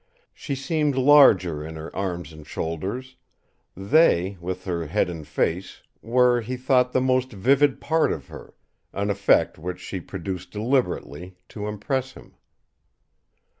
She seemed larger in her arms and shoulders; they, with her head and face, were, he thought, the most vivid part of her an effect which she produced deliberately, to impress him.